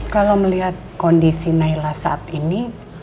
kalau melihat kondisi naila saat ini